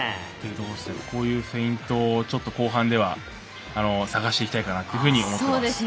こういうフェイントを後半では探していきたいかなと思っています。